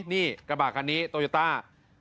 นี่กระบะคันนี้โตโยต้า